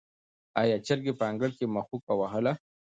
آیا چرګې په انګړ کې مښوکه وهله؟